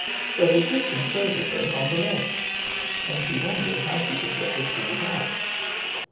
But it disconcerted her none the less. And she wondered how she could get the cheese out.